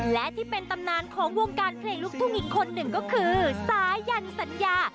และที่เป็นตำนานของวงการเพลงลูกทุ่งอีกคนหนึ่งก็คือสายันสัญญา